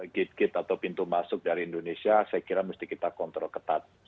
gate gate atau pintu masuk dari indonesia saya kira mesti kita kontrol ketat